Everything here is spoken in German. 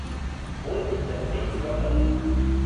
Wulff lässt nicht locker.